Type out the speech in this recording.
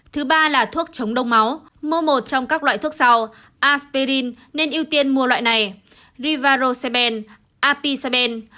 thứ ba là thuốc chống đông máu mua một trong các loại thuốc sau aspirin nên ưu tiên mua loại này rivaroseben api saben